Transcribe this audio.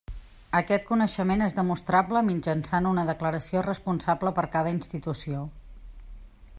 Aquest coneixement és demostrable mitjançant una declaració responsable per cada institució.